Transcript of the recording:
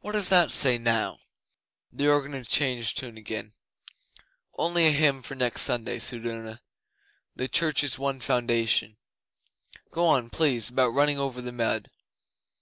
What does that say now?' The organ had changed tune again. 'Only a hymn for next Sunday,' said Una. '"The Church's One Foundation." Go on, please, about running over the mud.